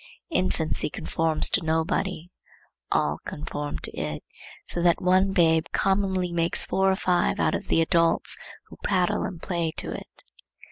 Infancy conforms to nobody; all conform to it; so that one babe commonly makes four or five out of the adults who prattle and play to it.